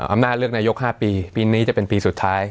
อำนาจเลือกนายก๕ปีปีนี้จะเป็นปีสุดท้าย